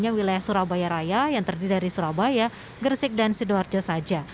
tidak hanya wilayah surabaya raya yang terdiri dari surabaya gresik dan situarjo saja